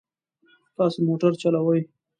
تاسو موټر چلولای شئ؟